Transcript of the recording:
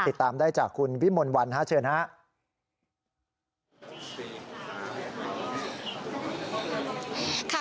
ติดตามได้จากคุณวิมลวันเชิญครับ